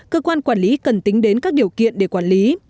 cơ quan quản lý cần tính đến các điều kiện để quản lý